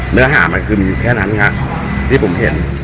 เนื้อหามันคือมีอยู่แค่นั้นครับที่ผมเห็น